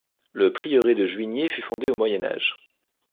Le prieuré de Juigné fut fondé au Moyen Âge.